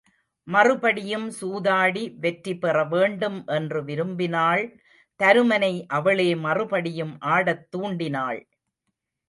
மறுபடியும் சூதாடி வெற்றி பெற வேண்டும் என்று விரும்பினாள் தருமனை அவளே மறுபடியும் ஆடத் தூண்டினாள்.